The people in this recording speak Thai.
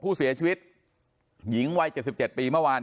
ผู้เสียชีวิตหญิงวัยเจ็บสิบเจ็ดปีเมื่อวาน